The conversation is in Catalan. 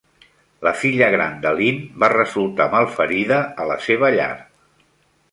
La filla gran de Lin va resultar malferida a la seva llar.